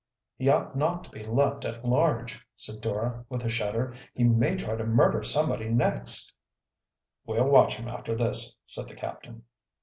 "He ought not to be left at large," said Dora, with a shudder. "He may try to murder somebody next." "We'll watch him after this," said the captain.